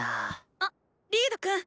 あっリードくん！